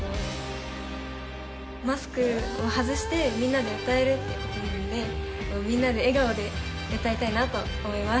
マスクを外してみんなで歌えるってことで、みんなで笑顔で歌いたいなと思います。